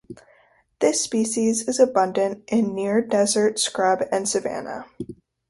This species is abundant in near desert, scrub and savannah.